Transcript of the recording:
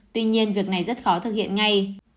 tuy nhiên việc này rất khó thực hiện ngay